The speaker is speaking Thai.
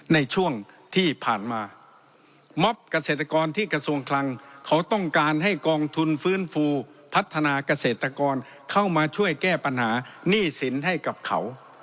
ในช่วงที่ผ่านมาม็อบเกษตรกรที่กระทรวงคลังเขาต้องการให้กองทุนฟื้นฟูพัฒนาเกษตรกรเข้ามาช่วยแก้ปัญหาหนี้สินให้กับเขา